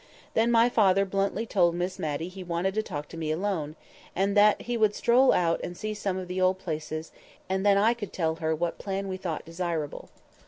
Then my father bluntly told Miss Matty he wanted to talk to me alone, and that he would stroll out and see some of the old places, and then I could tell her what plan we thought desirable.